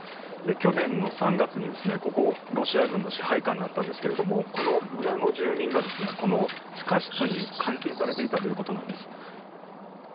去年の３月にここロシア軍の支配下になったんですけれども、この村の住民が地下室に監禁されていたということなんです。